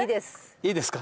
いいですか？